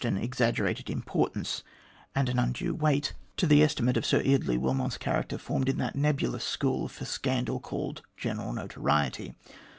an exaggerated importance and an undue weight to the 168 THE GLADSTONE COLONY estimate of Sir Eardley Wilmot's character, formed in that nebulous school for scandal called " general notoriety."